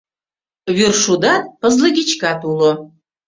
Вӱршудат, пызлыгичкат уло.